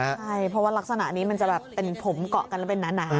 ใช่เพราะว่ารักษณะนี้มันจะแบบเป็นผมเกาะกันแล้วเป็นหนา